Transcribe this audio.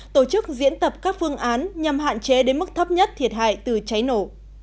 tổ chức diễn tập các phương án nhằm hạn chế đến mức thấp nhất thiệt hại từ cháy nổ